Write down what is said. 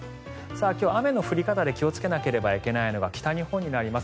今日、雨の降り方で気をつけなければいけないのが北日本になります。